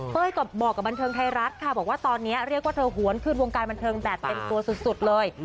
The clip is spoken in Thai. บอกกับบันเทิงไทยรัฐค่ะบอกว่าตอนนี้เรียกว่าเธอหวนคืนวงการบันเทิงแบบเต็มตัวสุดเลย